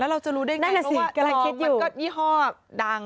แล้วเราจะรู้ได้ไงเพราะว่ากาแฟมันก็ยี่ห้อดัง